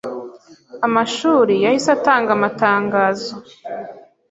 amashuri yahise atanga amatangazo